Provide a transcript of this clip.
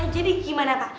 jadi gimana pak